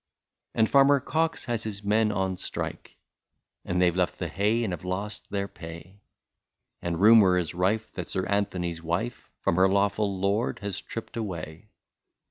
'* And Farmer Cox has his men on strike. And they 've left the hay and have lost their pay ; And rumour is rife that Sir Anthony's wife From her lawful lord has tripped away.